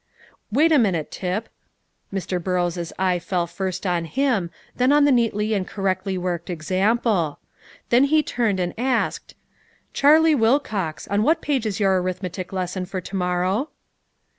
"Wait a minute, Tip." Mr. Burrows' eye fell first on him, then on the neatly and correctly worked example; then he turned, and asked, "Charlie Wilcox, on what page is your arithmetic lesson for to morrow?"